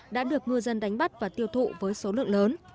đã được ngư dân đánh bắt và tiêu thụ với số lượng lớn